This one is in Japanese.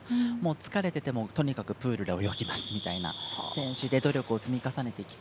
疲れてても、とにかくプールで泳ぎますみたいな選手で努力を積み重ねてきて。